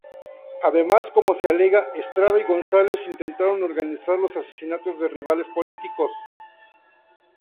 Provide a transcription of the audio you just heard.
Además, como se alega, Estrada y González intentaron organizar los asesinatos de rivales políticos.